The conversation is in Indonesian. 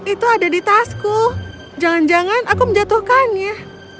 itu ada di tasku jangan jangan aku menjatuhkannya